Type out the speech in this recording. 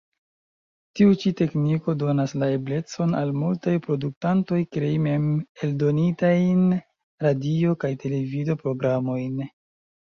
Tiu ĉi tekniko donas la eblecon al multaj produktantoj krei mem-eldonitajn radio- kaj televido-programojn.